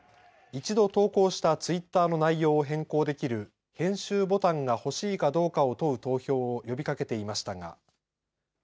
一度投稿したツイッターの内容を変更できる編集ボタンが欲しいかどうかを問う投票を呼びかけていましたが。